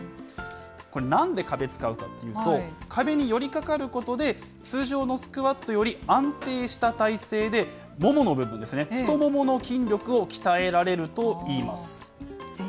なんで壁使うかというと、壁に寄りかかることで、通常のスクワットより、安定した体勢でももの部分ですね、太ももの筋力を鍛えられるといいます。